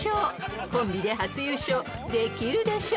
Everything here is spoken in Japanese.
［コンビで初優勝できるでしょうか］